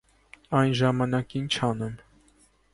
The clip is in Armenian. - Այն Ժամանակ ի՞նչ անեմ…